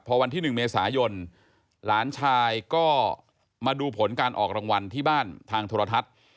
พอวันที่๑เมษายนหลานชายก็มาดูผลการออกรางวัลที่บ้านทางโทรทัศน์